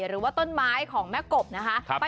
หรือว่าต้นไม้ของแม่กบนะคะ